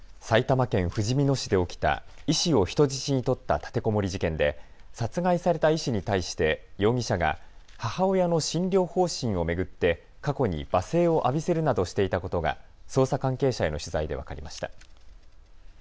埼玉県ふじみ野市で起きた医師を人質に取った立てこもり事件で殺害された医師に対して容疑者が母親の診療方針を巡って、過去に罵声を浴びせるなどしていたことが捜査関係者への取材で分かりました。